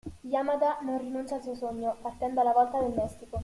Yamada non rinuncia al suo sogno, partendo alla volta del Messico.